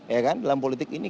ya kan dalam politik ini